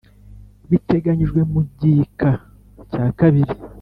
Biteganyijwe mu gika cya kabiri